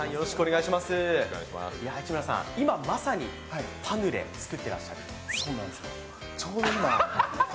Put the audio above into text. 今まさにパヌレ、作ってらっしゃる？